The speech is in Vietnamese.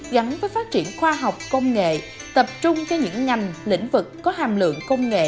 gắn với phát triển khoa học công nghệ tập trung cho những ngành lĩnh vực có hàm lượng công nghệ